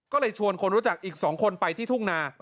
ก็เลยชวนคนรู้จักอีก๒คนไปที่ทุ่งนา